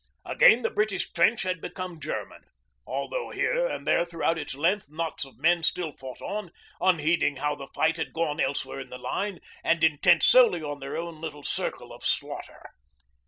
... Again the British trench had become German, although here and there throughout its length knots of men still fought on, unheeding how the fight had gone elsewhere in the line, and intent solely on their own little circle of slaughter.